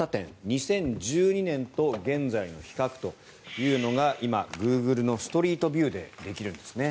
２０１２年と現在の比較というのが今、グーグルのストリートビューでできるんですね。